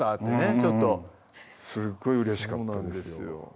すっごいうれしかったですよ